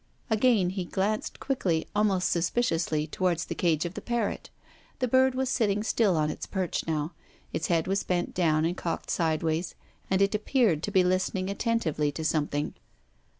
Again he glanced quickly, almost suspiciously, towards the cage of the parrot. The bird was sitting still on its perch now. Its head was bent down and cocked sideways, and it appeared to be listening attentively to something.